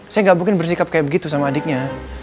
saya gak mungkin bersikap kayak begitu sama adiknya